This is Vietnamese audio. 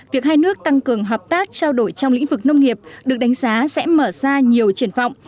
việc hai nước tăng cường hợp tác trao đổi trong lĩnh vực nông nghiệp được đánh giá sẽ mở ra nhiều triển vọng